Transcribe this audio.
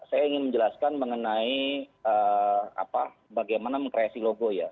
saya ingin menjelaskan mengenai bagaimana mengkreasi logo ya